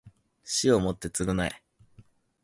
死をもって償え